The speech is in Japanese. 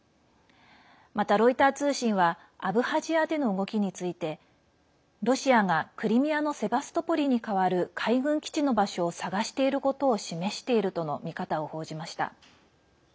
またロイター通信はアブハジアでの動きについてロシアがクリミアのセバストポリに代わる海軍基地の場所を探していることを示しているとの見方を報じました。